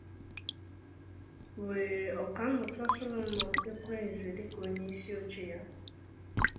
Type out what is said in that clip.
nwèrè Ọkammụta Solomon Ekwenze dịka onyeisi oche ya